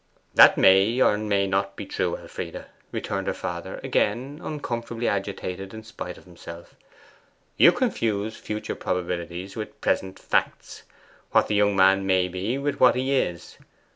'That may or may not be true, Elfride,' returned her father, again uncomfortably agitated in spite of himself 'You confuse future probabilities with present facts, what the young man may be with what he is.